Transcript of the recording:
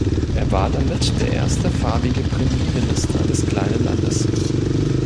Er war damit der erste farbige Premierminister des kleinen Landes.